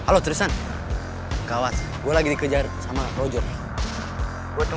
lu mau lari kemana lex